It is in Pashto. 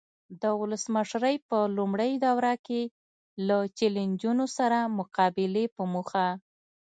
د ولسمشرۍ په لومړۍ دوره کې له چلنجونو سره مقابلې په موخه.